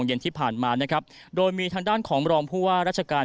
ตั้งแต่เวลาสี่โมงเย็นที่ผ่านมานะครับโดยมีทางด้านของรองผู้ว่ารัชการ